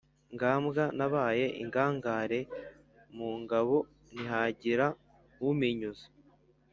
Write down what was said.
Ngambwa nabaye ingangare mu ngabo ntihagira umpinyuza,